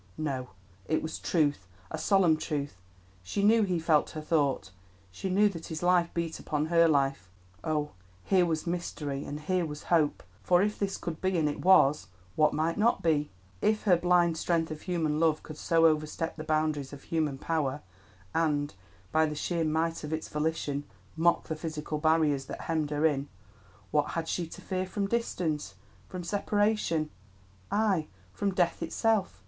No, it was truth, a solemn truth; she knew he felt her thought, she knew that his life beat upon her life. Oh, here was mystery, and here was hope, for if this could be, and it was, what might not be? If her blind strength of human love could so overstep the boundaries of human power, and, by the sheer might of its volition, mock the physical barriers that hemmed her in, what had she to fear from distance, from separation, ay, from death itself?